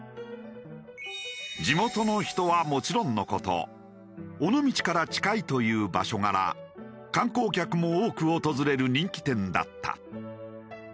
地元の人はもちろんの事尾道から近いという場所柄観光客も多く訪れる人気店だった。